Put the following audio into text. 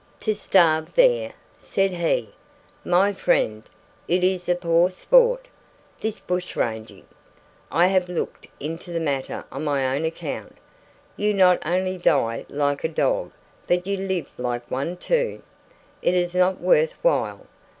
"'To starve there?' said he. 'My friend, it is a poor sport, this bushranging. I have looked into the matter on my own account. You not only die like a dog, but you live like one too. It is not worth while.